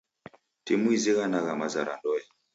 Timu izighanagha maza ra ndoe.